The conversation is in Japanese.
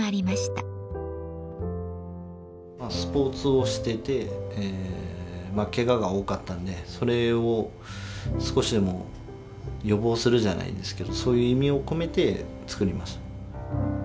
まあスポーツをしててケガが多かったんでそれを少しでも予防するじゃないですけどそういう意味を込めて作りました。